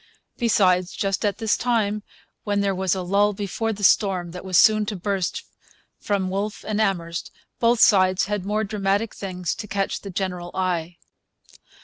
Besides, just at this time, when there was a lull before the storm that was soon to burst from Wolfe and Amherst, both sides had more dramatic things to catch the general eye.